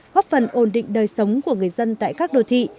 góp phần ổn định đời sống của người dân tại các đô thị